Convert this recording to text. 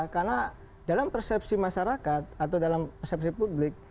karena dalam persepsi masyarakat atau dalam persepsi publik